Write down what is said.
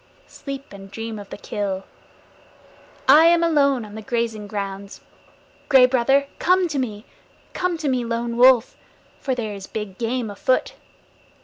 Sleep and dream of the kill. I am alone on the grazing grounds. Gray Brother, come to me! Come to me, Lone Wolf, for there is big game afoot!